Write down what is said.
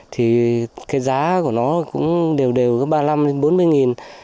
thì cái giá của nó cũng đều đều có ba mươi năm đến bốn mươi nghìn